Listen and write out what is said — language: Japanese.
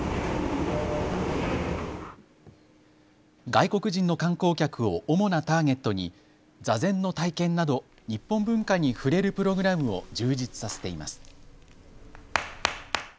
外国人の観光客を主なターゲットに座禅の体験など日本文化に触れるプログラムを充実させています。